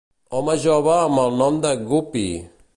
Home jove amb el nom de Guppy!